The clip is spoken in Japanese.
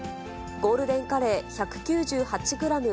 ゴールデンカレー１９８グラム